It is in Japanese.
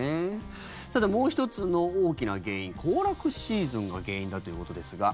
もう１つの大きな原因行楽シーズンが原因だということですが。